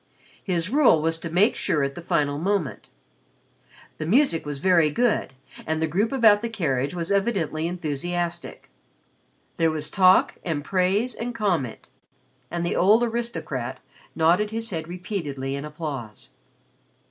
His rule was to make sure at the final moment. The music was very good and the group about the carriage was evidently enthusiastic. There was talk and praise and comment, and the old aristocrat nodded his head repeatedly in applause.